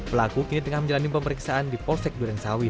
pelaku kini tengah menjalani pemeriksaan di polsek durang sawan